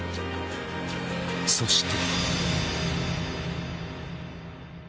そして。